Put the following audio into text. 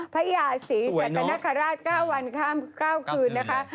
พระยาศรีสัตว์นักขราช๙วัน๙คืนนะคะ